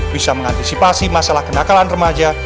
bisa mengantisipasi masalah kenakalan remaja